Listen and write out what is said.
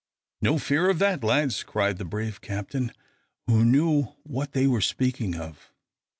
"No fear of that, lads!" cried the brave captain, who knew what they were speaking of.